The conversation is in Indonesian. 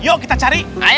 yuk kita cari